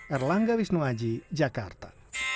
erlangga wisnuwaji jakarta